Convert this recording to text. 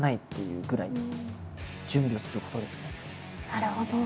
なるほど。